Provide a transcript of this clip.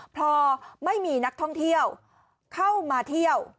พอไม่มีนักท่องเที่ยวเข้ามาเที่ยว